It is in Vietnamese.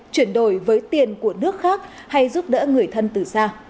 chuyển đổi với tiền của nước khác hay giúp đỡ người thân từ xa